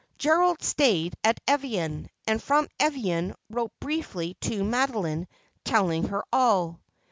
Gerald stayed at Evian, and from Evian wrote briefly to Madeline telling her all.